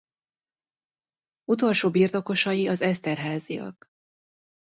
Utolsó birtokosai az Eszterházyak.